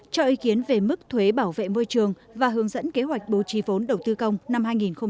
cho ý kiến về mức thuế bảo vệ môi trường và hướng dẫn kế hoạch bố trí vốn đầu tư công năm hai nghìn hai mươi